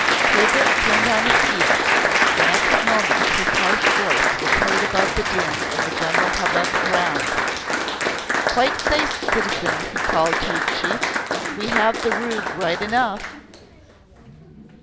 Hebert turned on his heel. The next moment his harsh voice was heard above the din and the general hubbub around: "Quite safe, citizen!" he called to his chief. "We have the rogue right enough!"